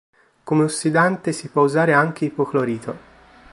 Come ossidante si può usare anche ipoclorito.